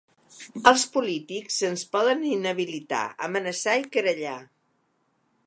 Als polítics ens poden inhabilitar, amenaçar i querellar.